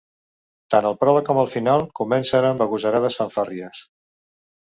Tant el pròleg com el final comencen amb agosarades fanfàrries.